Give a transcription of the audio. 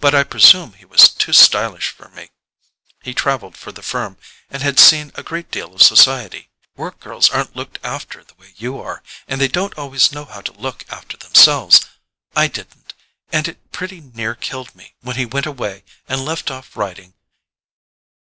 But I presume he was too stylish for me—he travelled for the firm, and had seen a great deal of society. Work girls aren't looked after the way you are, and they don't always know how to look after themselves. I didn't ... and it pretty near killed me when he went away and left off writing....